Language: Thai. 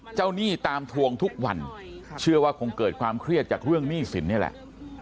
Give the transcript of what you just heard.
หนี้ตามทวงทุกวันเชื่อว่าคงเกิดความเครียดจากเรื่องหนี้สินนี่แหละ